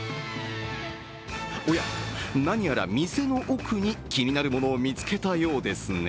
おや、何やら店の奥に気になるものを見つけたようですね。